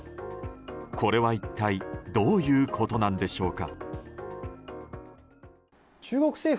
これは一体どういうことなんでしょうか。